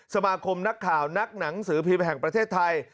สมาคมนักข่าวนักหนังสือพิมพ์แห่งประเทศไทย